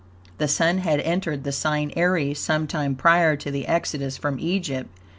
The Sun had entered the sign Aries some time prior to the exodus from Egypt.